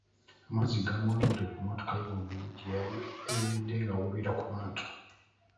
Amazzi gamuwanudde ku mmotoka ye waggulu gye yali ayimiridde ng'awuubira ku bantu.